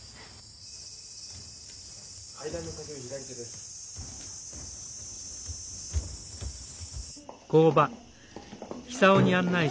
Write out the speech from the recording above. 階段の先を左手です。